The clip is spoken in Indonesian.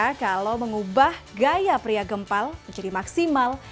nah ini siapa sangka kalau mengubah gaya pria gempal menjadi maksimal